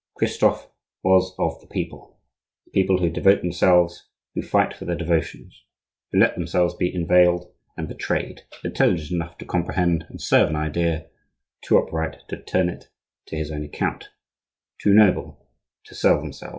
Christophe was of the people,—the people who devote themselves, who fight for their devotions, who let themselves be inveigled and betrayed; intelligent enough to comprehend and serve an idea, too upright to turn it to his own account, too noble to sell himself.